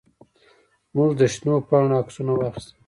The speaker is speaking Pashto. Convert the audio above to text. موږ د شنو پاڼو عکسونه واخیستل.